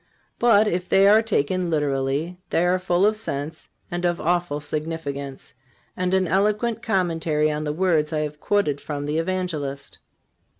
But, if they are taken literally, they are full of sense and of awful significance, and an eloquent commentary on the words I have quoted from the Evangelist.